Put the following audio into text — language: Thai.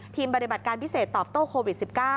ปฏิบัติการพิเศษตอบโต้โควิด๑๙